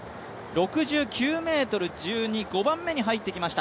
６９ｍ１２、５番目に入ってきました。